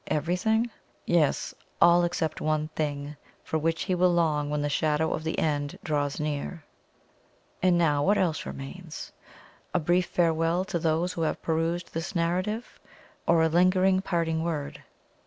Everything? yes all except one thing, for which he will long when the shadow of the end draws near. And now what else remains? A brief farewell to those who have perused this narrative, or a lingering parting word?